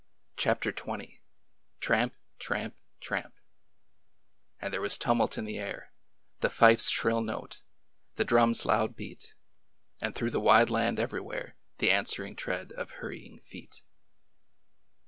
CHAPTER XX " TRAMP, TRAMP, TRAMP I "And there was tumult in the air, The fife's shrill note, the drums loud beat, And through the wide land everywhere The answering tread of hurrying feet."